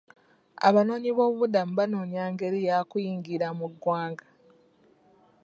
Abanoonyi b'obubudamu banoonya ngeri ya kuyingira mu ggwanga.